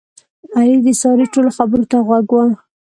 علي د سارې ټولو خبرو ته غوږ و.